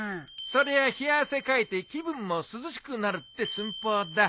そりゃ冷や汗かいて気分も涼しくなるって寸法だ。